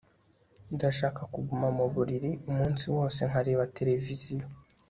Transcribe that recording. Ndashaka kuguma mu buriri umunsi wose nkareba televiziyo